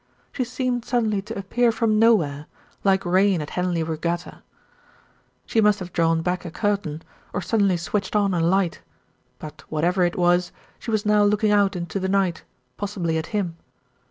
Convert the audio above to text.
She seemed suddenly to appear from nowhere, like rain at Henley Regatta. She must have drawn back a curtain, or suddenly switched on a light; but whatever it was, she was now looking out into the night, possibly at him.